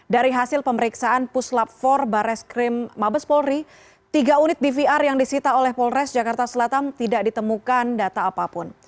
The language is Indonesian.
dari hasil pemeriksaan puslap empat barreskrim mabes polri tiga unit dvr yang disita oleh polres jakarta selatan tidak ditemukan data apapun